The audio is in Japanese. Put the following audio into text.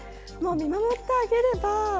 もう見守ってあげれば。